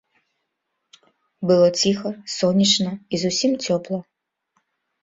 Было ціха, сонечна і зусім цёпла.